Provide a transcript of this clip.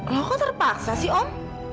kok terpaksa sih om